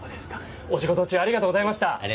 お仕事中ありがとうございました。